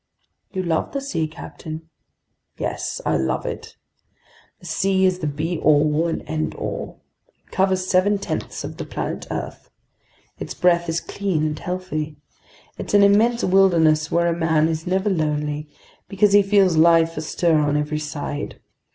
"You love the sea, captain." "Yes, I love it! The sea is the be all and end all! It covers seven tenths of the planet earth. Its breath is clean and healthy. It's an immense wilderness where a man is never lonely, because he feels life astir on every side.